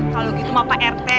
kalau gitu mbak rt